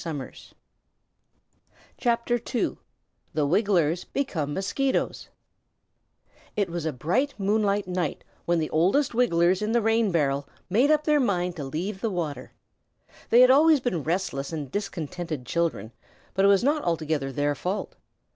THE WIGGLERS BECOME MOSQUITOES It was a bright moonlight night when the oldest Wigglers in the rain barrel made up their mind to leave the water. They had always been restless and discontented children, but it was not altogether their fault.